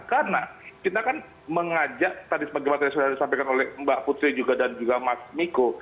karena kita kan mengajak tadi sebagai materi yang sudah disampaikan oleh mbak putri dan juga mas miko